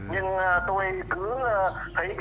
nhưng tôi cứ thấy